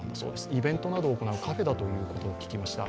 イベントなどを行うカフェだと聞きました。